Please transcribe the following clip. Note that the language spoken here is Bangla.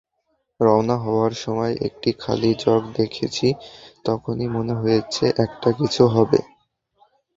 রওনা হবার সময় একটা খালি জগ দেখেছি, তখনি মনে হয়েছে একটা কিছু হবে।